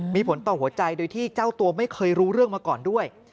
มีผลต่อหัวใจโดยที่เจ้าตัวไม่เคยรู้เรื่องมาก่อนด้วย